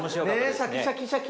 シャキシャキシャキシャキ。